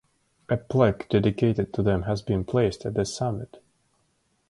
A plaque dedicated to them has been placed at the summit.